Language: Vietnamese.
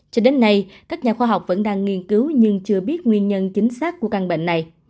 cho đến nay các nhà khoa học vẫn đang nghiên cứu nhưng chưa biết nguyên nhân chính xác của căn bệnh này